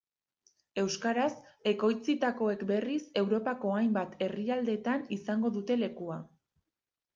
Euskaraz ekoitzitakoek berriz, Europako hainbat herrialdetan izango dute lekua.